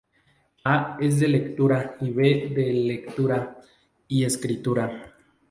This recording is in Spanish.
A es de lectura y B de lectura y escritura.